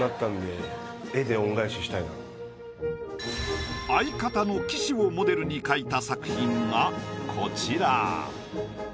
ちょっと相方の岸をモデルに描いた作品がこちら。